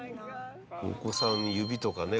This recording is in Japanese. お子さん指とかね。